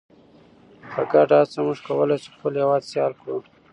په ګډه هڅه موږ کولی شو خپل هیواد سیال کړو.